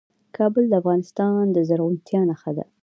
کابل د افغانستان د زرغونتیا نښه ده.